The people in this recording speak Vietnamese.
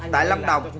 tại lâm đồng